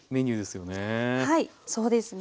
はいそうですね。